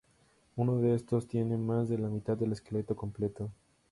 Uno de estos tiene más de la mitad del esqueleto completo.